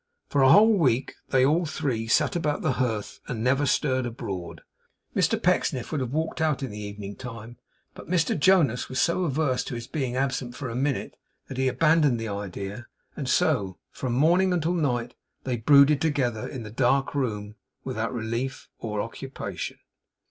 For a whole week they all three sat about the hearth and never stirred abroad. Mr Pecksniff would have walked out in the evening time, but Mr Jonas was so averse to his being absent for a minute, that he abandoned the idea, and so, from morning until night, they brooded together in the dark room, without relief or occupation.